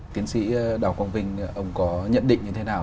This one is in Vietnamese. tiến sĩ đào quang vinh ông có nhận định như thế nào